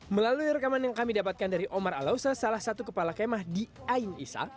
melalui rekaman yang kami dapatkan dari omar alausa salah satu kepala kemah di ain issa